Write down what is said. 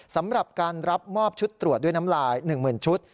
สำหรับการรับมอบชุดตรวจด้วยน้ำลาย๑๐๐๐ชุด